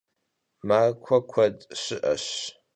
Markue kued şı'eş.